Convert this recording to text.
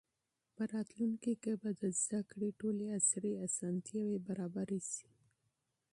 په راتلونکي کې به د زده کړې ټولې عصري اسانتیاوې برابرې سي.